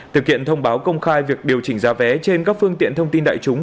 thực hiện thông báo công khai việc điều chỉnh giá vé trên các phương tiện thông tin đại chúng